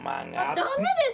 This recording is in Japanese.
ダメです！